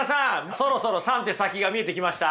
そろそろ三手先が見えてきました？